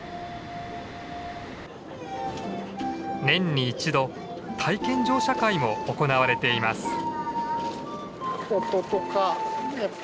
年に１度体験乗車会も行われています。